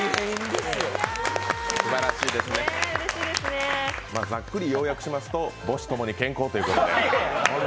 すばらしいですね、ざっくりようやくしますと母子共に健康ということで。